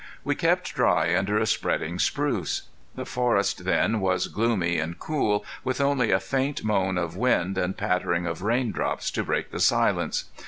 We kept dry under a spreading spruce. The forest then was gloomy and cool with only a faint moan of wind and pattering of raindrops to break the silence.